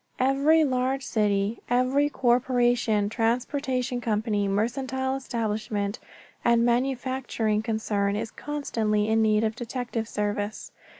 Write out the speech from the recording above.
Every large city, every corporation, transportation company, mercantile establishment and manufacturing concern is constantly in need of detective service.